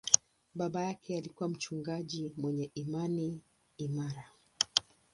Baba yake alikuwa mchungaji mwenye imani imara.